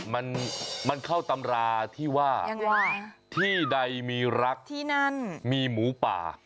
มันเข้าตำราที่ว่าที่ใดมีรักมีหมูป่า